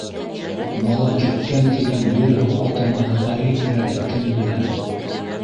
Балакиткән тигән ер-һыу атамаһы ҡайһы тирәлә, кем белә?